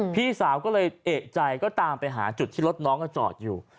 พี่สาวก็เลยเอกใจก็ตามไปหาจุดที่รถน้องก็จอดอยู่